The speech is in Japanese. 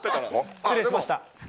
失礼しました。